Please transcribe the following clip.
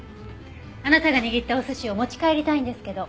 あなたが握ったお寿司を持ち帰りたいんですけど。